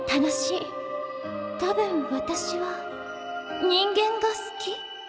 たぶん私は人間が好き？